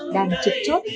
đang trực chốt